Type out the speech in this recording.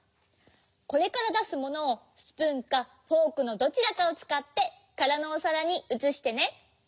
これからだすものをスプーンかフォークのどちらかをつかってからのおさらにうつしてね。